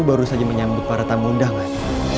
baru saja menyambut para tamu undangan